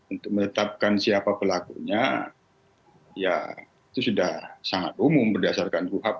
untuk menetapkan siapa pelakunya ya itu sudah sangat umum berdasarkan kuhap